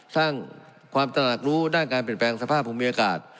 สร้างความตระหนักรู้ด้านการเปลี่ยนแปลงสภาพภูมิอากาศ